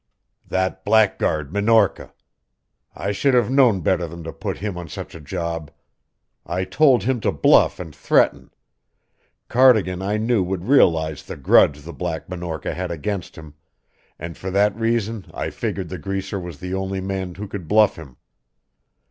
"That blackguard Minorca! I should have known better than to put him on such a job. I told him to bluff and threaten; Cardigan, I knew, would realize the grudge the Black Minorca has against him, and for that reason I figured the greaser was the only man who could bluff him.